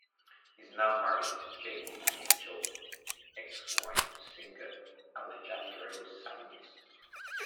He is now married to Jaydy Michel, ex-wife of singer Alejandro Sanz.